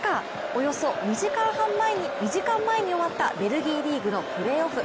およそ２時間前に終わったベルギーリーグのプレーオフ。